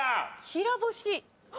平干し。